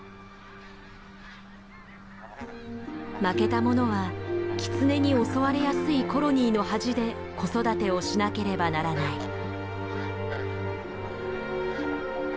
負けたものはキツネに襲われやすいコロニーの端で子育てをしなければならない。